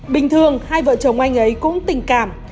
bình thường hai vợ chồng anh ấy cũng tình cảm